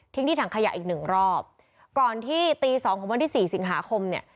ที่ถังขยะอีกหนึ่งรอบก่อนที่ตีสองของวันที่สี่สิงหาคมเนี่ย